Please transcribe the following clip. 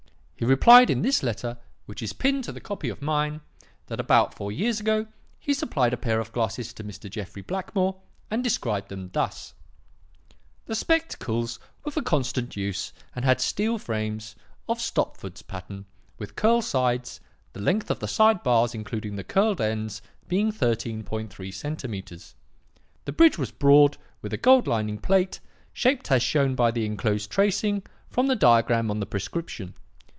"He replied in this letter, which is pinned to the copy of mine, that, about four years ago, he supplied a pair of glasses to Mr. Jeffrey Blackmore, and described them thus: 'The spectacles were for constant use and had steel frames of Stopford's pattern with curl sides, the length of the side bars including the curled ends being 13.3 cm. The bridge was broad with a gold lining plate, shaped as shown by the enclosed tracing from the diagram on the prescription.